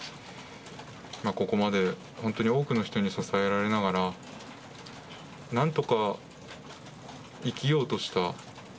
ここまで本当に多くの人に支えられながら、なんとか生きようとした。